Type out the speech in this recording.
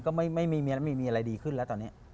ก็ไม่มีอะไรดีขึ้นแล้วตอนนี้